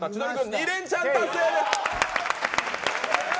２レンチャン達成です。